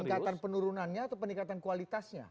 peningkatan penurunannya atau peningkatan kualitasnya